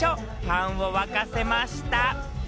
ファンを沸かせました。